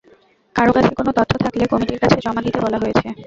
কারও কাছে কোনো তথ্য থাকলে কমিটির কাছে জমা দিতে বলা হয়েছে।